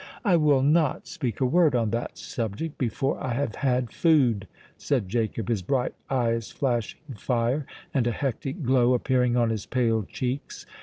"I will not speak a word on that subject before I have had food," said Jacob, his bright eyes flashing fire, and a hectic glow appearing on his pale cheeks.